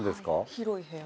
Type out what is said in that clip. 広い部屋。